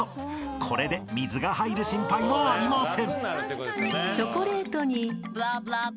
［これで水が入る心配もありません］